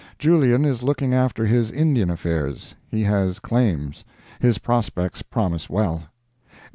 Julien is looking after his Indian affairs. He has claims. His prospects promise well.